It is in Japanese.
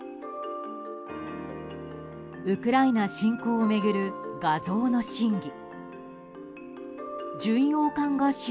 ウクライナ侵攻を巡る画像の真偽。